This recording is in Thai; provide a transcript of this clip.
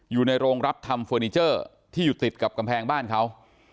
อยู่ในโรงรับทำเฟอร์นิเจอร์ที่อยู่ติดกับกำแพงบ้านเขา